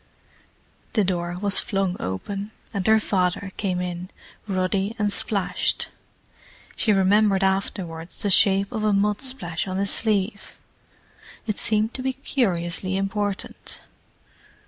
The door was flung open, and her father came in, ruddy and splashed. She remembered afterwards the shape of a mud splash on his sleeve. It seemed to be curiously important.